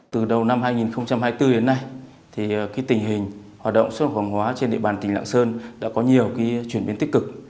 từ đầu năm hai nghìn hai mươi bốn đến nay tình hình hoạt động xuất khẩu hàng hóa trên địa bàn tỉnh lạng sơn đã có nhiều chuyển biến tích cực